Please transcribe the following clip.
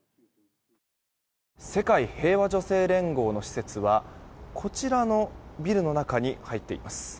世界平和女性連合の施設はこちらのビルの中に入っています。